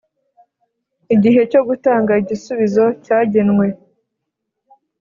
igihe cyo gutanga igisubizo cyagenwe